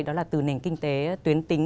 đó là từ nền kinh tế tuyến tính